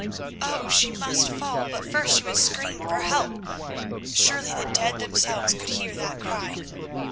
Oh! she must fall, but first she would scream for help—surely the dead themselves could hear that cry.